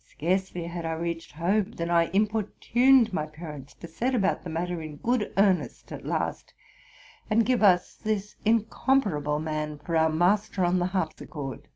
Seareely had I reached home, than I importuned my par ents to set about the matter in good earnest at last, and give us this incomparable man for our master on the harpsichord.